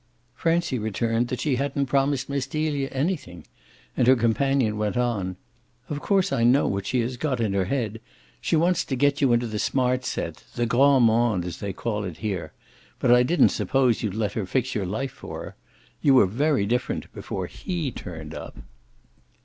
Francie returned that she hadn't promised Miss Delia anything, and her companion went on: "Of course I know what she has got in her head: she wants to get you into the smart set the grand monde, as they call it here; but I didn't suppose you'd let her fix your life for you. You were very different before HE turned up."